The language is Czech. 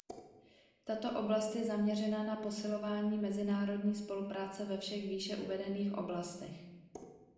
Tato oblast je zaměřena na posilování mezinárodní spolupráce ve všech výše uvedených oblastech.